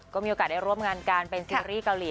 ก็มีโอกาสได้ร่วมงานการเป็นซีรีส์เกาหลี